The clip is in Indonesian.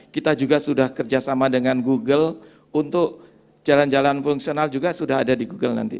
kita juga sudah kerjasama dengan google untuk jalan jalan fungsional juga sudah ada di google nanti